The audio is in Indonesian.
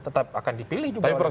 tetap akan dipilih juga oleh masyarakat